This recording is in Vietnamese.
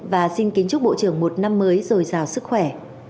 và xin kính chúc bộ trưởng một năm mới rồi giàu sức khỏe